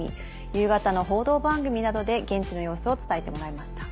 夕方の報道番組などで現地の様子を伝えてもらいました。